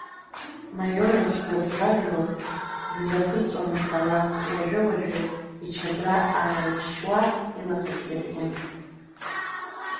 Маиорич дыгәжәажәо дзаԥырҵуамызт ала, уажәы-уажәы ичабра ааиҿшьуа, илаӷырӡ ирбон.